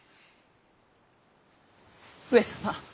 上様。